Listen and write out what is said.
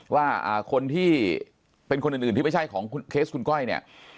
ว่าคนที่เป็นคนอื่นที่ไม่ใช่ของเคสคุณก้อยเนี่ย